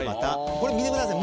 これ見てください